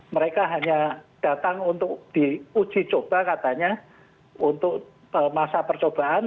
mereka hanya datang untuk diuji coba katanya untuk masa percobaan